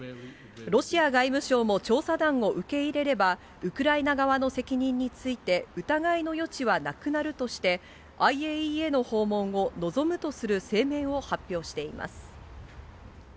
ロシア外務省も調査団を受け入れれば、ウクライナ側の責任について疑いの余地はなくなるとして、ＩＡＥＡの訪問を望むとする声明を発表しています。